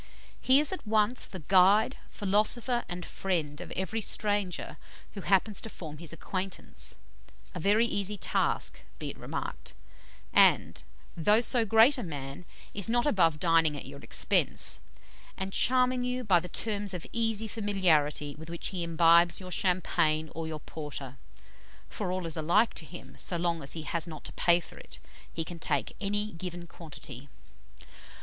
He is at once the "guide, philosopher, and friend" of every stranger who happens to form his acquaintance a very easy task, be it remarked and, though so great a man, is not above dining at your expense, and charming you by the terms of easy familiarity with which he imbibes your champagne or your porter, for all is alike to him, so long as he has not to pay for it: he can take any given quantity.